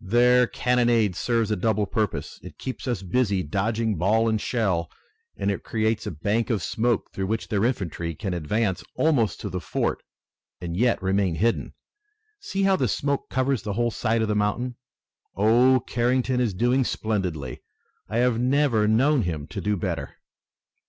"Their cannonade serves a double purpose. It keeps us busy dodging ball and shell, and it creates a bank of smoke through which their infantry can advance almost to the fort and yet remain hidden. See how the smoke covers the whole side of the mountain. Oh, Carrington is doing splendidly! I have never known him to do better!"